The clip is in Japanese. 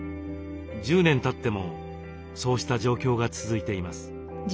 １０年たってもそうした状況が続いています。